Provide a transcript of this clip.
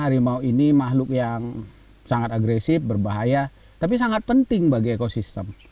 harimau ini makhluk yang sangat agresif berbahaya tapi sangat penting bagi ekosistem